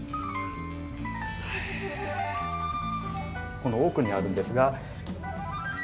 この奥にあるんですが。